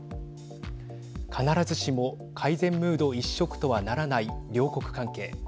必ずしも改善ムード一色とはならない両国関係。